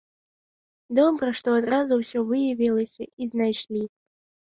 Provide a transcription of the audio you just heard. Добра, што адразу ўсё выявілася і знайшлі.